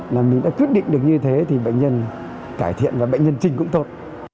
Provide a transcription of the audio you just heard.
là mình đã quyết định được như thế thì bệnh nhân cải thiện và bệnh nhân trình cũng tốt